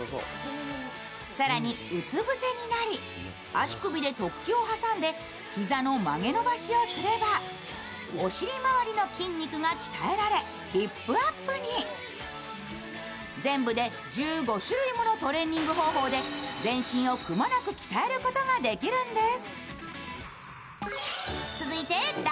更にうつぶせになり、足首で突起を挟んで膝の曲げ伸ばしをすれば、お尻回りの筋肉が鍛えられ、ヒップアップに全部で１５種類ものトレーニング方法で全身をくまなく鍛えることができるんです。